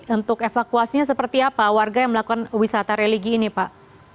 untuk evakuasinya seperti apa warga yang melakukan wisata religi ini pak